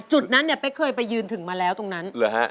จุดนั้นเป๊ะเคยไปยืนถึงมาแล้วตรงนั้นหรือฮะ